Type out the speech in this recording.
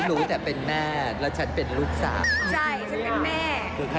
โอ้ยหนอนเหลียวซ้ำตัวก็อยู่แล้วค่ะ